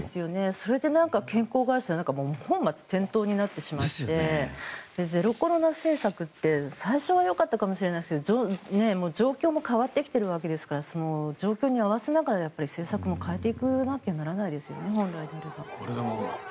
それで、健康を害したら本末転倒になってしまってゼロコロナ政策って最初は良かったかもしれないけど状況も変わってきているわけで状況に合わせながら政策も変えていかなきゃならないですよね、本来ならば。